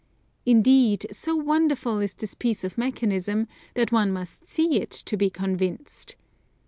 Indeed, so wonderful is this piece of mechanism, that one must see it to be convinced.